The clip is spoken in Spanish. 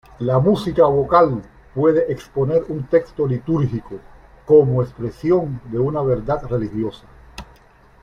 La música vocal puede exponer un texto litúrgico cómo expresión de una verdad religiosa.